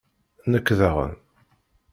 Nekk daɣen!